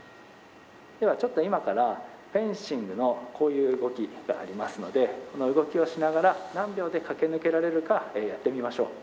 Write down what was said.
ではちょっと今からフェンシングのこういう動きがありますのでこの動きをしながら何秒で駆け抜けられるかやってみましょう。